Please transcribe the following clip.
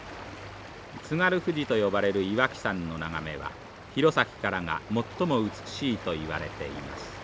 津軽富士と呼ばれる岩木山の眺めは弘前からが最も美しいといわれています。